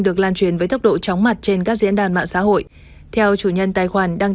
được lan truyền với tốc độ chóng mặt trên các diễn đàn mạng xã hội theo chủ nhân tài khoản đang